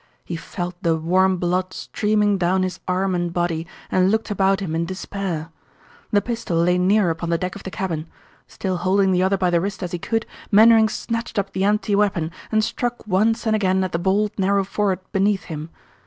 He felt the warm blood streaming down his arm and body and looked about him in despair. The pistol lay near upon the deck of the cabin. Still holding the other by the wrist as he could, Mainwaring snatched up the empty weapon and struck once and again at the bald, narrow forehead beneath him.